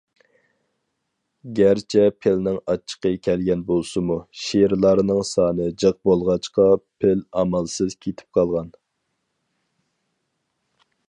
گەرچە پىلنىڭ ئاچچىقى كەلگەن بولسىمۇ، شىرلارنىڭ سانى جىق بولغاچقا پىل ئامالسىز كېتىپ قالغان.